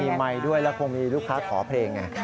มีไมค์ด้วยแล้วคงมีลูกค้าขอเพลงไง